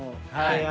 はい。